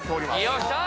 よっしゃ！